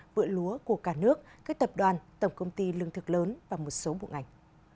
vựa lúa của cả nước các tập đoàn tổng công ty lương thực lớn và một số bộ ngành